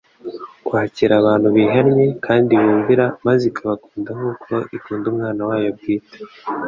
kwakira abantu bihannye kandi bumvira maze ikabakunda nk'uko ikunda Umwana wayo bwite.